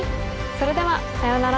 それではさようなら。